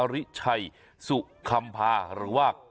ริชัยสุคำภาหรือว่า